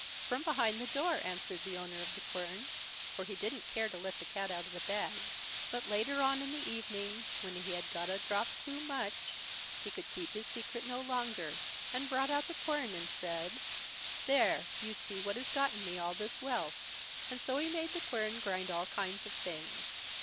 "From behind the door", answered the owner of the quern, for he didn't care to let the cat out of the bag. But later on the evening, when he had got a drop too much, he could keep his secret no longer, and brought out the quern and said: "There, you see what has gotten me all this wealth"; and so he made the quern grind all kind of things.